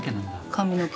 髪の毛。